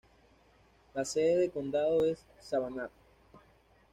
La sede de condado es Savannah.